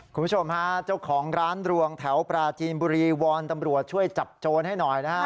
คุณผู้ชมฮะเจ้าของร้านรวงแถวปราจีนบุรีวอนตำรวจช่วยจับโจรให้หน่อยนะฮะ